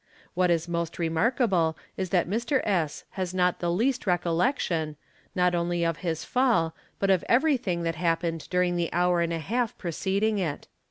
What is most "Yemarkable is that Mr. 8. has not the least recollection, not only of his fall, but of every thing that happened during the hour and a half receding it.